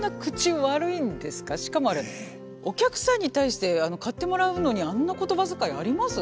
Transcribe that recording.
しかもあれお客さんに対して買ってもらうのにあんな言葉遣いあります？